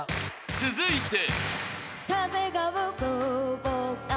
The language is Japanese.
［続いて］